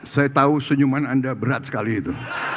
saya tahu senyuman anda berat sekali itu